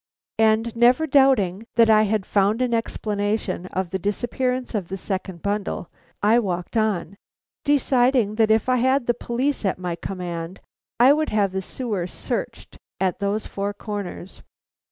And never doubting that I had found an explanation of the disappearance of the second bundle, I walked on, deciding that if I had the police at my command I would have the sewer searched at those four corners.